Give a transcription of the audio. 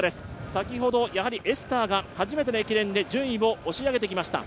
先ほどエスターが初めての駅伝で、順位を押し上げてきました。